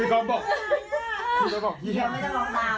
ปล่อยประตูค่ะอย่างนั้นก็ละแล้วนะครับมีอื่นเปิดประตูอีกแล้ว